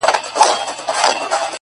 په دې خپه يم چي له نومه چي پېغور غورځي _